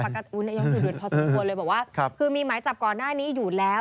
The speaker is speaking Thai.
นายยกพูดดุเดือดพอสมมุติเลยบอกว่าคือมีหมายจับก่อนหน้านี้อยู่แล้ว